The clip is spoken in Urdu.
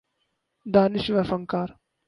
دانشور فنکار